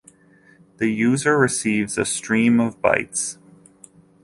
The user receives a stream of bytes.